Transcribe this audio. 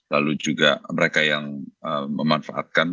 lalu juga mereka yang memanfaatkan